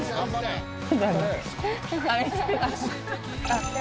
あっ。